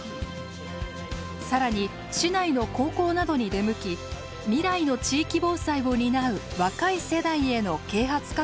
更に市内の高校などに出向き未来の地域防災を担う若い世代への啓発活動を行っています。